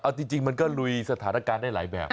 เอาจริงมันก็ลุยสถานการณ์ได้หลายแบบ